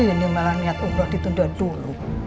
ini malah niat umroh ditunda dulu